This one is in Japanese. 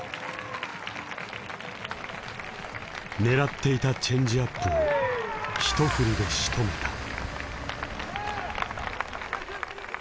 狙っていたチェンジアップを一振りでしとめた。